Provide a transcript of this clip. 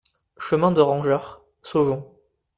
Chemin de Rangeard, Saujon